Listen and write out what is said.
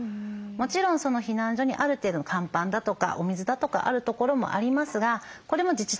もちろん避難所にある程度の乾パンだとかお水だとかあるところもありますがこれも自治体によって違うんですね。